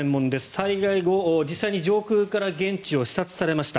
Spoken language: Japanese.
災害後、実際に上空から現地を視察されました。